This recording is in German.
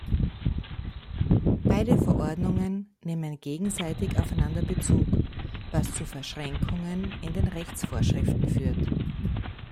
Beide Verordnungen nehmen gegenseitig aufeinander Bezug, was zu Verschränkungen in den Rechtsvorschriften führt.